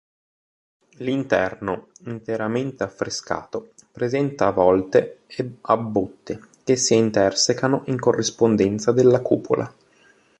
L'interno, interamente affrescato, presenta volte a botte che si intersecano in corrispondenza della cupola.